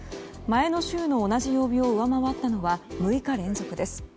前の週の同じ曜日を上回ったのは６日連続です。